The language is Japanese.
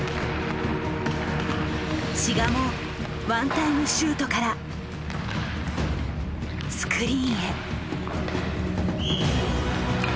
志賀もワンタイムシュートからスクリーンへ。